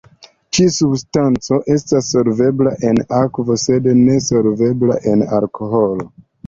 Ĉi-substanco estas solvebla en akvo sed nesolvebla en alkoholo.